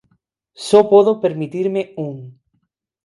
Só podo permitirme un.